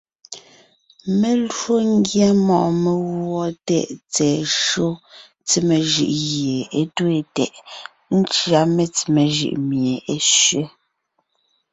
Mé lwo ńgyá mɔɔn meguɔ tɛʼ tsɛ̀ɛ shÿó tsemé jʉʼ gie á twéen tɛʼ, ńcʉa shÿó metsemé jʉʼ mie é sẅesẅě.